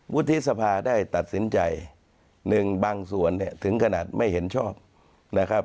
วุฒิสภาได้ตัดสินใจหนึ่งบางส่วนเนี่ยถึงขนาดไม่เห็นชอบนะครับ